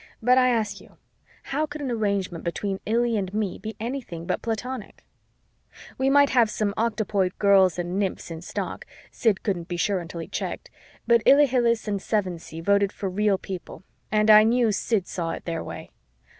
But I ask you, how could an arrangement between Illy and me be anything but Platonic? We might have had some octopoid girls and nymphs in stock Sid couldn't be sure until he checked but Ilhilihis and Sevensee voted for real people and I knew Sid saw it their way.